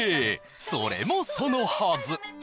それもそのはず